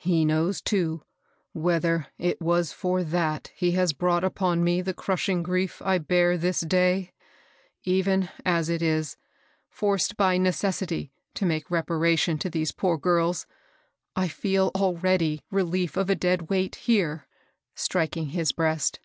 He knows, too, whether it was for that he has brought upon me the crushing grief I bear this day I Even as it is, forced by necessity to make reparation to these poor girls, I feel al ready rehef of a dead weight here," striking his breast.